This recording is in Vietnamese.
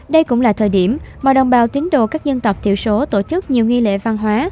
đây cũng là thời điểm mà đồng bào tín đồ các dân tộc thiểu số tổ chức nhiều nghi lễ văn hóa